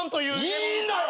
いいんだよ！